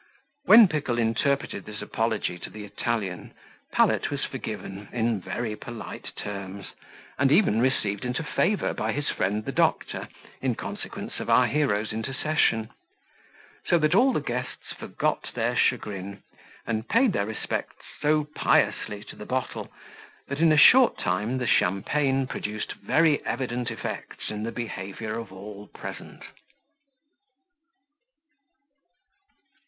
When Pickle interpreted this apology to the Italian, Pallet was forgiven in very polite terms, and even received into favour by his friend the doctor, in consequence of our hero's intercession: so that all the guests forgot their chagrin, and paid their respects so piously to the bottle, that in a short time the Champagne produced very evident effects in the behaviour of all present.